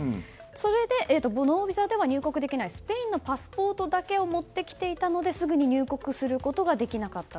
それでノービザでは入国できないスペインのパスポートだけを持ってきていたのですぐに入国することができなかった。